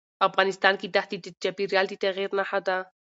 افغانستان کې دښتې د چاپېریال د تغیر نښه ده.